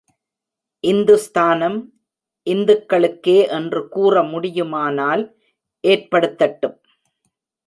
இந்துஸ்தானம் இந்துக்களுக்கே என்று கூற முடியுமானால் ஏற்படுத்தட்டும்!